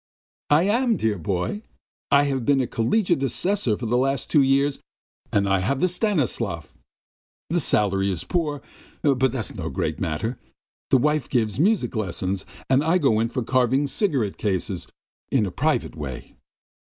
"I am, dear boy! I have been a collegiate assessor for the last two years and I have the Stanislav. The salary is poor, but that's no great matter! The wife gives music lessons, and I go in for carving wooden cigarette cases in a private way.